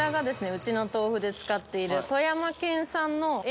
うちの豆腐で使っている。